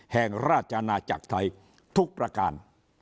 แห่งราชอาณาจักรไทยทุกประการ